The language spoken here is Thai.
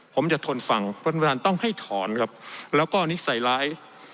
ผมจะทนฟังต้องให้ถอนครับแล้วก็นิสัยร้าย